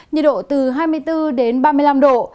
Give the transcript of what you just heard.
nhiệt độ từ hai mươi bốn đến ba mươi năm độ